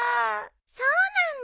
そうなんだ。